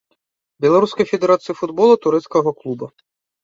Беларускай федэрацыі футбола, турэцкага клуба.